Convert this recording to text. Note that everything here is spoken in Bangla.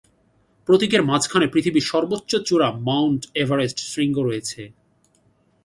প্রতীকের মাঝখানে পৃথিবীর সর্বোচ্চ চূড়া-মাউন্ট এভারেস্ট শৃঙ্গ রয়েছে।